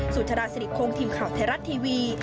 สุชาดาสิริคงทีมข่าวไทยรัฐทีวี